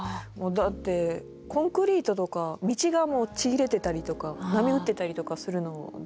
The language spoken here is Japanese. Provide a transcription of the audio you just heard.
だってコンクリートとか道がもうちぎれてたりとか波打ってたりとかするので。